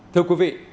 thưa quý vị